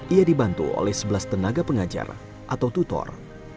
ia dibantu oleh sebelas tenaga pengajar atau tutor